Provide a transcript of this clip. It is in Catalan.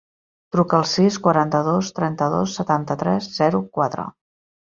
Truca al sis, quaranta-dos, trenta-dos, setanta-tres, zero, quatre.